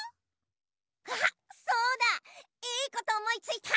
あっそうだいいことおもいついた！